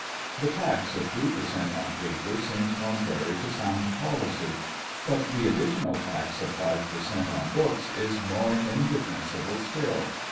The tax of three per cent on paper seems contrary to sound policy. But the additional tax of five per cent on books is more indefensible still.